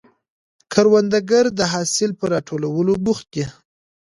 کروندګر د حاصل پر راټولولو بوخت دی